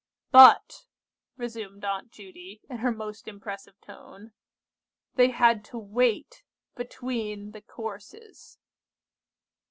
"But," resumed Aunt Judy, in her most impressive tone, "they had to wait between the courses."